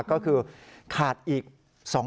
ก็คือขาดอีก๒คน